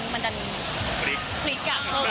ปลูก